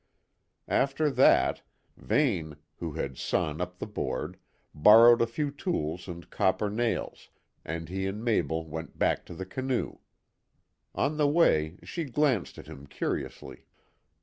After that, Vane, who had sawn up the board, borrowed a few tools and copper nails, and he and Mabel went back to the canoe. On the way she glanced at him curiously.